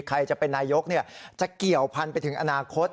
ใครจะเป็นนายกจะเกี่ยวพันไปถึงอนาคต